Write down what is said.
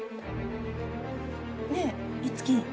ねえ樹。